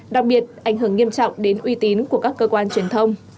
đặc biệt ảnh hưởng nghiêm trọng đến uy tín của các cơ quan truyền thông